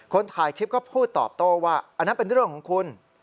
ถ่ายคลิปก็พูดตอบโต้ว่าอันนั้นเป็นเรื่องของคุณ